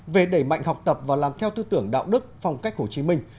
về đẩy mạnh học tập và làm theo tư tưởng đạo đức phong cách hồ chí minh